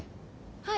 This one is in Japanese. はい。